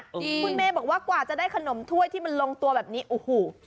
คุณเมย์บอกว่ากว่าจะได้ขนมถ้วยที่มันลงตัวแบบนี้โอ้โห